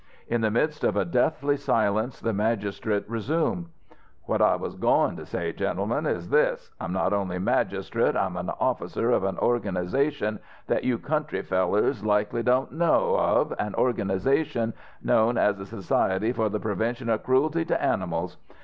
In the midst of a deathly silence the magistrate resumed. "What I was goin' to say, gentlemen, is this: I'm not only magistrate, I'm an officer in an organization that you country fellers likely don't know of, an organization known as the Society for the Prevention of Cruelty to Animals.